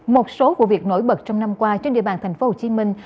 một số vụ việc nổi bật trong năm qua trên địa bàn thành phố hồ chí minh